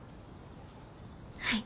はい。